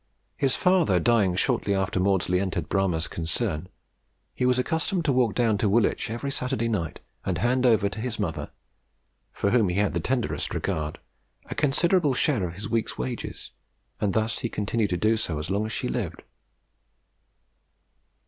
His father dying shortly after Maudslay entered Bramah's concern, he was accustomed to walk down to Woolwich every Saturday night, and hand over to his mother, for whom he had the tenderest regard, a considerable share of his week's wages, and this he continued to do as long as she lived.